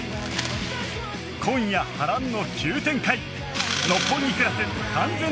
今夜波乱の急展開！